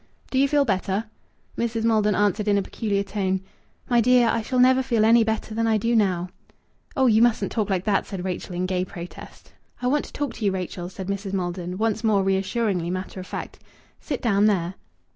"Do you feel better?" Mrs. Maldon answered, in a peculiar tone "My dear, I shall never feel any better than I do now." "Oh, you mustn't talk like that!" said Rachel in gay protest. "I want to talk to you, Rachel," said Mrs. Maldon, once more reassuringly matter of fact. "Sit down there."